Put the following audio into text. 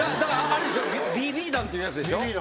ＢＢ弾っていうやつでしょ？